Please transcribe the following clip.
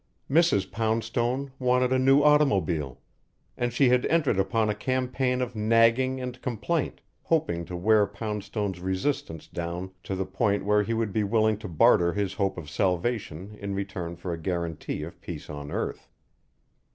Mrs. Poundstone wanted a new automobile. And she had entered upon a campaign of nagging and complaint; hoping to wear Poundstone's resistance down to the point where he would be willing to barter his hope of salvation in return for a guarantee of peace on earth.